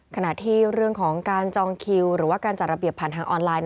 ขณะที่เรื่องของการจองคิวหรือว่าการจัดระเบียบผ่านทางออนไลน์